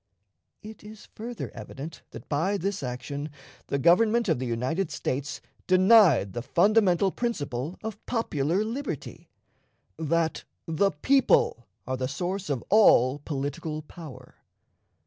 It is further evident that, by this action, the Government of the United States denied the fundamental principle of popular liberty that the people are the source of all political power.